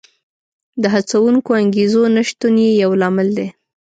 د هڅوونکو انګېزو نشتون یې یو لامل دی